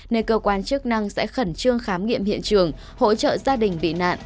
nên cơ quan chức năng sẽ khẩn trương khám nghiệm hiện trường hỗ trợ gia đình bị nạn